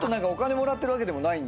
お金もらってるわけでも。